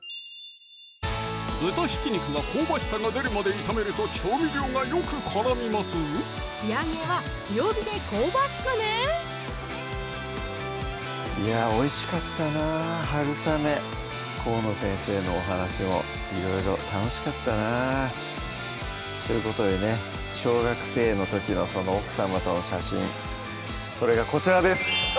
豚ひき肉は香ばしさが出るまで炒めると調味料がよく絡みますぞ仕上げは強火で香ばしくねいやおいしかったな春雨河野先生のお話もいろいろ楽しかったなということでね小学生の時の奥さまとの写真それがこちらです！